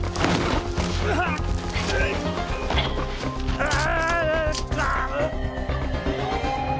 ああ。